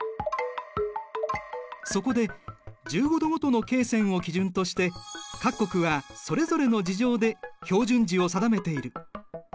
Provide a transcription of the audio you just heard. そこで１５度ごとの経線を基準として各国はそれぞれの事情で標準時を定めている。